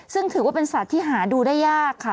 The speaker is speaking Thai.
ซึ่งถือว่าเป็นสัตว์ที่หาดูได้ยากค่ะ